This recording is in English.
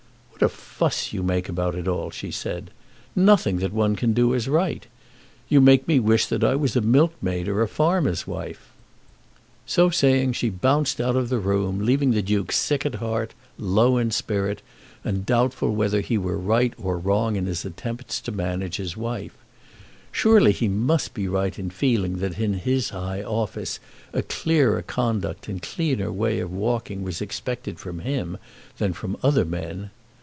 "What a fuss you make about it all!" she said. "Nothing that one can do is right! You make me wish that I was a milkmaid or a farmer's wife." So saying she bounced out of the room, leaving the Duke sick at heart, low in spirit, and doubtful whether he were right or wrong in his attempts to manage his wife. Surely he must be right in feeling that in his high office a clearer conduct and cleaner way of walking was expected from him than from other men!